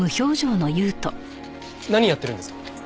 何やってるんですか？